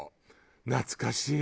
懐かしい！